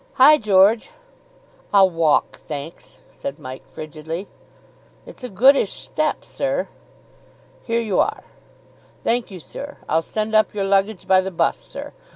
Hi, George!" "I'll walk, thanks," said Mike frigidly. "It's a goodish step, sir." "Here you are." "Thank you, sir. I'll send up your luggage by the 'bus, sir.